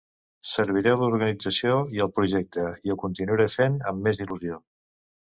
Serviré l’organització i el projecte, i ho continuaré fent amb més il·lusió.